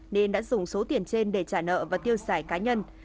nên đã dùng số tiền trên để trả nợ và tiêu xài cá nhân